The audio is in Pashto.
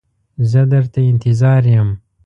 زه در ته انتظار یم.